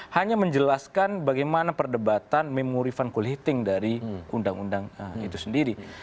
hanya menjelaskan bagaimana perdebatan memori funkulhiting dari undang undang itu sendiri